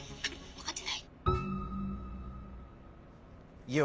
「わかってないよ」。